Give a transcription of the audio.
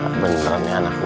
wah apa beneran ini anaknya